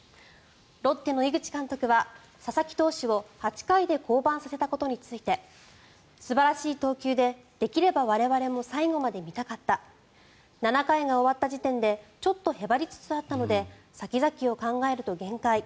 ロッテの井口監督は佐々木投手を８回で降板させたことについて素晴らしい投球でできれば我々も最後まで見たかった７回が終わった時点でちょっとへばりつつあったので先々を考えると限界。